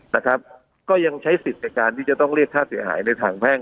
นะครับก็ยังใช้สิทธิ์ในการที่จะต้องเรียกค่าเสียหายในทางแพ่ง